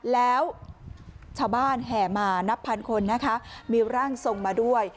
แล้วชาวบ้านแห่มานับพันคนนะคะมีร่างทรงมาด้วย